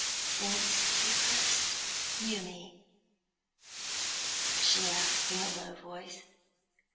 "Since you first knew me?" she asked, in a low voice.